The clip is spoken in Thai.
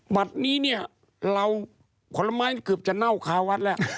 วันนี้เนี่ยขวดละไม้กลับจะเน่าคาวัดแล้ว